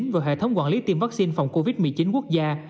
vào hệ thống quản lý tiêm vaccine phòng covid một mươi chín quốc gia